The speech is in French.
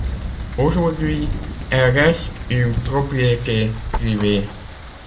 Aujourd'hui, elle reste une propriété privée.